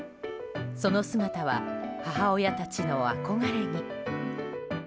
その姿は母親たちの憧れに。